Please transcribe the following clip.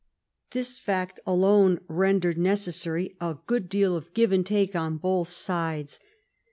This fact alone rendered necessary a good deal of give and take on both sides.